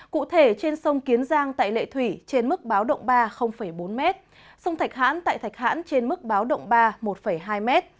cụ thể trên sông kiến giang tại lệ thủy trên mức báo động ba bốn m sông thạch hãn tại thạch hãn trên mức báo động ba một hai m